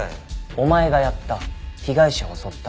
「お前がやった」「被害者を襲った」